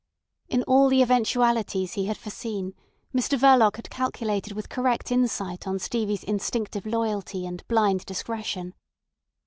In all the eventualities he had foreseen Mr Verloc had calculated with correct insight on Stevie's instinctive loyalty and blind discretion.